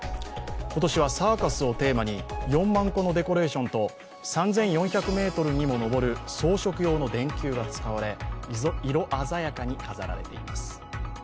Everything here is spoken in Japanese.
今年はサーカスをテーマに、４万個のデコレーションと３４００ｍにも上る装飾用の電球が使われ色鮮やかに飾られています。